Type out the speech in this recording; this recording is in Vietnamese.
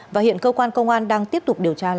và hiện cơ quan công an đang tiếp tục điều tra làm rõ vụ án